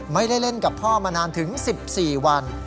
ไม่ได้เล่นกับพ่อมานานถึง๑๔วัน